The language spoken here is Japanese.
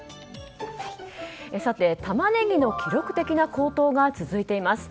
さて、タマネギの記録的な高騰が続いています。